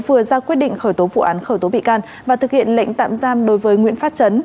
vừa ra quyết định khởi tố vụ án khởi tố bị can và thực hiện lệnh tạm giam đối với nguyễn phát